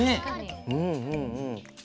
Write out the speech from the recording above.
うんうんうん。